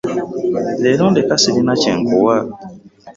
Leero ndeka ssirina kye nkuwa.